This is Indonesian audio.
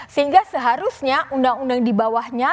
sehingga seharusnya undang undang di bawahnya